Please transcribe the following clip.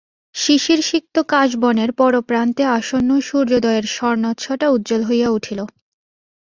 শিশিরসিক্ত কাশবনের পরপ্রান্তে আসন্ন সূর্যোদয়ের স্বর্ণচ্ছটা উজ্জ্বল হইয়া উঠিল।